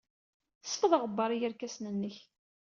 Sfeḍ aɣebbar i yerkasen-nnek.